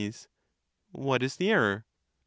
Sac. What is the error ?